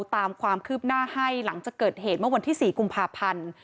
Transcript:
ตามความคืบหน้าให้หลังจากเกิดเหตุเมื่อวันที่๔กุมภาพันธ์